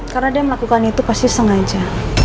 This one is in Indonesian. karena dia melakukan itu pasti sengaja